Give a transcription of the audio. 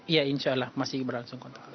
iya insya allah masih berlangsung kontak